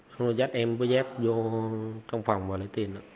xong rồi dắt em với giáp vô trong phòng và lấy tiền